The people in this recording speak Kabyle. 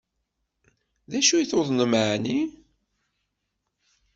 D acu i tuḍnem ɛni?